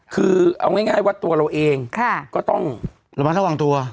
คือเอาง่ายว่าตัวเราเองก็ต้องระมัดระวังตัว